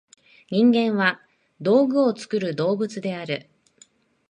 人間は「道具を作る動物」である。